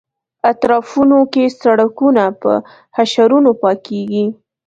اطرافونو کې سړکونه په حشرونو پاکېږي.